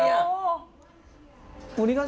เน็นงูหรอคะ